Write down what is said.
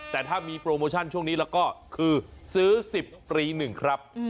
แต่ถ้ามีโปรโมชั่นช่วงนี้แล้วก็คือซื้อ๑๐ปี๑ครับ